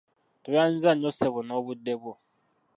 Tweyanzizza nnyo ssebo, n’obudde bwo.